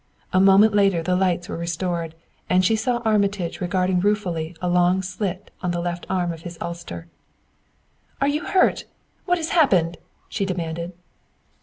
A moment later the lights were restored, and she saw Armitage regarding ruefully a long slit in the left arm of his ulster. "Are you hurt? What has happened?" she demanded.